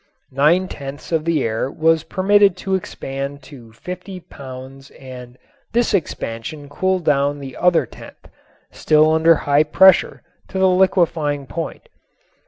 Nine tenths of the air was permitted to expand to 50 pounds and this expansion cooled down the other tenth, still under high pressure, to the liquefying point.